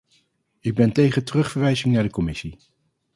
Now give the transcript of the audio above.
Ik ben tegen terugverwijzing naar de commissie.